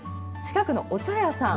近くのお茶屋さん。